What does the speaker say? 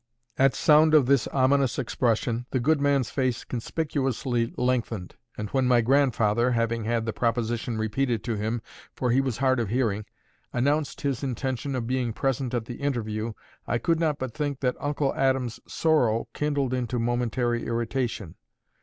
At sound of this ominous expression, the good man's face conspicuously lengthened; and when my grandfather, having had the proposition repeated to him (for he was hard of hearing) announced his intention of being present at the interview, I could not but think that Uncle Adam's sorrow kindled into momentary irritation.